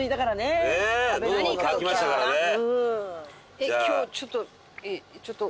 えっ今日ちょっとお財布。